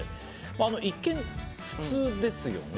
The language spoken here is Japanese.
一見、普通ですよね。